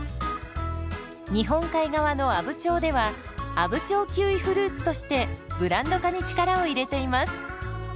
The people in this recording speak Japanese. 日本海側の阿武町では「阿武町キウイフルーツ」としてブランド化に力を入れています。